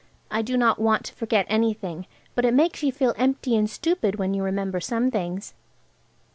I do not want to forget anything, but it makes you feel empty and stupid when you remember some things.